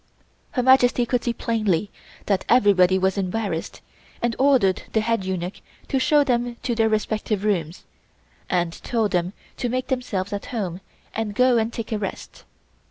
Her Majesty could see plainly that everybody was embarrassed and ordered the head eunuch to show them to their respective rooms, and told them to make themselves at home and to go and take a rest.